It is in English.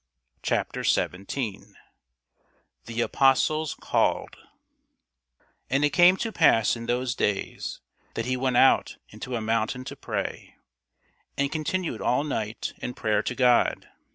CHAPTER 17 THE APOSTLES CALLED AND it came to pass in those days, that he went out into a mountain to pray, and continued all night in prayer to God.